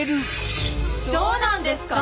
どうなんですか？